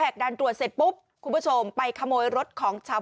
พอแหกด่านตรวจเสร็จปุ๊บคุณผู้ผู้ผู้ชมไปขโมยรถของชาว